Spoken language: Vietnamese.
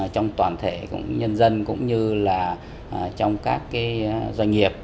trong toàn thể của nhân dân cũng như là trong các cái doanh nghiệp